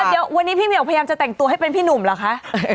เดี๋ยววันนี้พี่เหมียวพยายามจะแต่งตัวให้เป็นพี่หนุ่มเหรอคะ